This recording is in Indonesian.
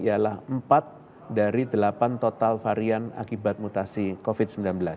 ialah empat dari delapan total varian akibat mutasi covid sembilan belas